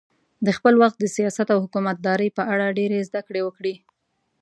د خپل وخت د سیاست او حکومتدارۍ په اړه ډېرې زده کړې وکړې.